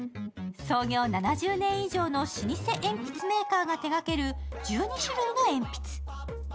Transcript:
創業７０年以上の老舗鉛筆メーカーが手掛ける１２種類の鉛筆。